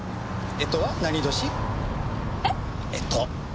干支。